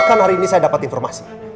kan hari ini saya dapat informasi